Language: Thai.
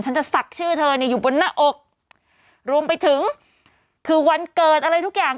จะศักดิ์ชื่อเธอเนี่ยอยู่บนหน้าอกรวมไปถึงคือวันเกิดอะไรทุกอย่าง